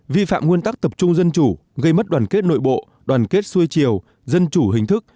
vi phạm nguyên tắc tập trung dân chủ gây mất đoàn kết nội bộ đoàn kết xuôi chiều dân chủ hình thức